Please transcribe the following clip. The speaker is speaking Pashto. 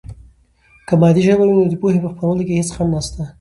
که مادي ژبه وي، نو د پوهې په خپرولو کې هېڅ خنډ نسته.